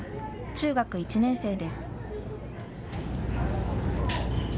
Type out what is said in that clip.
中学１年生です。